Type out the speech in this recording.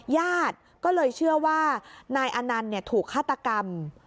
ญาติก็เลยเชื่อว่านายอนันต์ถูกฆาตกรรม